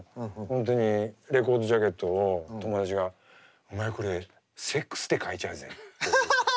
本当にレコードジャケットを友達が「お前これセックスって書いちゃるぜ」っていう。